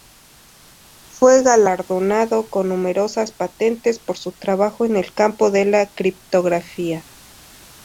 Fue galardonado con numerosas patentes por su trabajo en el campo de la criptografía.